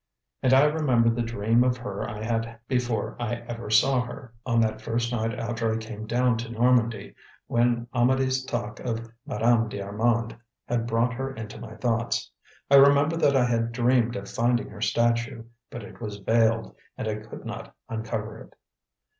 And I remembered the dream of her I had before I ever saw her, on that first night after I came down to Normandy, when Amedee's talk of "Madame d'Armand" had brought her into my thoughts. I remembered that I had dreamed of finding her statue, but it was veiled and I could not uncover it.